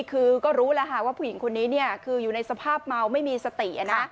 คือก็รู้แล้วค่ะว่าผู้หญิงคนนี้คืออยู่ในสภาพเมาไม่มีสตินะ